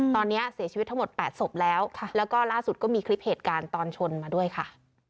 ตอนนี้เสียชีวิตทั้งหมด๘ศพแล้วแล้วก็ล่าสุดก็มีคลิปเหตุการณ์ตอนชนมาด้วยค่ะ